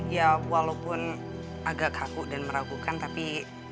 ya walaupun agak kaku dan meragukan tapi